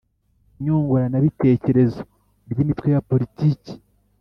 Nyunguranabitekerezo ry Imitwe ya Politiki